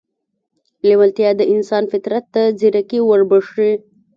لېوالتیا د انسان فطرت ته ځيرکي وربښي.